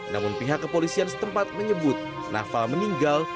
namun pihak kepolisian setempat menyebut noval meninggal